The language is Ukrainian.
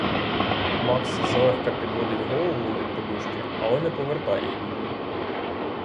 Макс злегка підводить голову від подушки, але не повертає її.